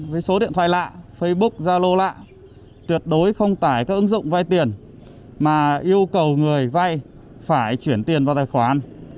với số điện thoại lạ facebook zalo lạ tuyệt đối không tải các ứng dụng vay tiền mà yêu cầu người vay phải chuyển tiền vào tài khoản